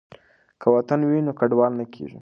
که وطن وي نو کډوال نه کیږي.